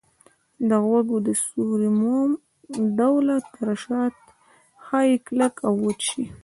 د غوږ د سوري موم ډوله ترشحات ښایي کلک او وچ شي.